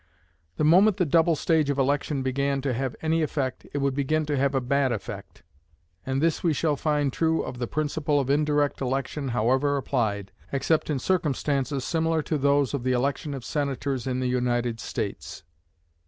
The moment the double stage of election began to have any effect, it would begin to have a bad effect. And this we shall find true of the principle of indirect election however applied, except in circumstances similar to those of the election of senators in the United States.